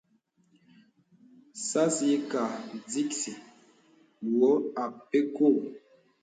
Sās yìkā dìksì wɔ̄ a pɛ kɔ̄.